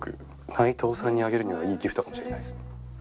内藤さんにあげるにはいいギフトかもしれないです。